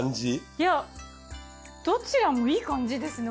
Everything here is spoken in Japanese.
いやどちらもいい感じですね